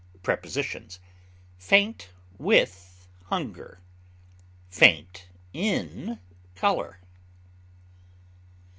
Prepositions: Faint with hunger; faint in color.